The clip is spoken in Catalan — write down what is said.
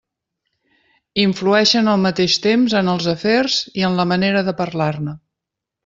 Influeixen al mateix temps en els afers i en la manera de parlar-ne.